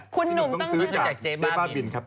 คุณหนุ่มต้องซื้อจากเจ๊บ้าบินครับ